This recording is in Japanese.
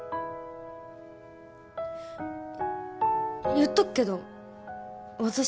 言っとくけど私